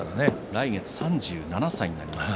来月３７歳になります。